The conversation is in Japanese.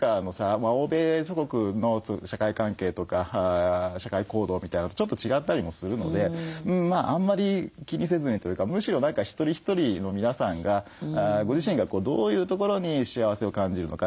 欧米諸国の社会関係とか社会行動みたいなのとちょっと違ったりもするのであんまり気にせずにというかむしろ何か一人一人の皆さんがご自身がどういうところに幸せを感じるのか？